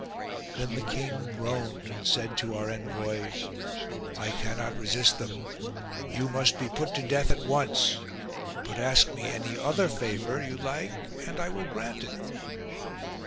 Then the king groaned and said to our envoy :" I cannot resist them : you must be put to death at once : but ask me any other favour you like and I will grant it."